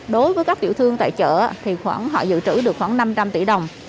đối với các dự thương tại chợ họ dự trữ được khoảng năm trăm linh tỷ đồng